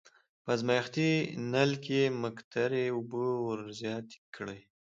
په ازمایښتي نل کې مقطرې اوبه ور زیاتې کړئ.